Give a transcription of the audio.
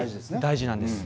大事なんです。